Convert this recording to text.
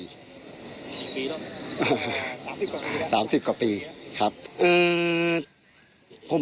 สี่ปีแล้วอ่าสามสิบกว่าปีครับสามสิบกว่าปีครับเอ่อ